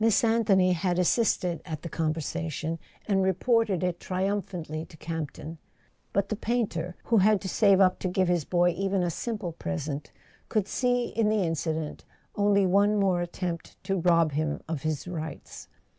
Miss Anthony had assisted at the conversation and reported it triumphantly to Camp ton; but the painter, who had to save up to give his boy even a simple present, could see in the incident only one more at¬ tempt to rob him of his rights.